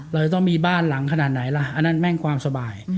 เราจะต้องมีบ้านหลังขนาดไหนล่ะอันนั้นแม่งความสบาย